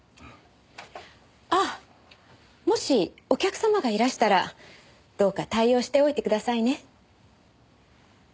あっもしお客様がいらしたらどうか対応しておいてくださいね。